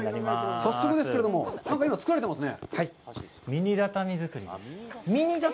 早速ですけれども、今、作られていますね。